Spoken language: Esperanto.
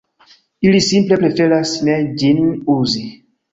Ili simple preferas ne ĝin uzi.